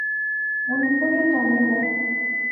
ہن کوئیاں ٹالے وہا